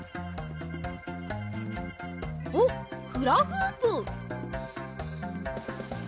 おっフラフープ！